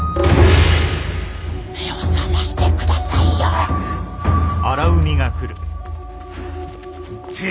目を覚ましてくださいよ！